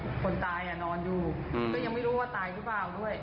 อืมก็ยังไม่รู้ว่าตายหรือเปล่าด้วยอืมถึงได้โทรเรียกให้รถไปดูอ่ะ